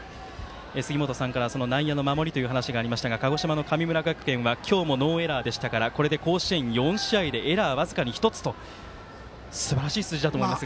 杉本さんから内野の守りという話がありましたが鹿児島の神村学園の守りは今日もノーエラーでしたがこれで甲子園４試合でエラー、僅かに１つとすばらしい数字だと思いますが。